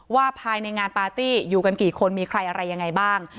ภายในงานปาร์ตี้อยู่กันกี่คนมีใครอะไรยังไงบ้าง